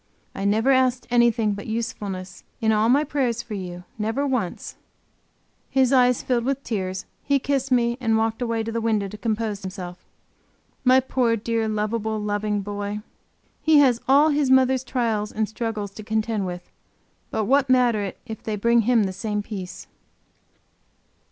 I never asked anything but usefulness, in all my prayers for you; never once." His eyes filled with tears; he kissed me and walked away to the window to compose himself. My poor, dear, lovable, loving boy! He has all his mother's trials and struggles to contend with; but what matter it if they bring him the same peace?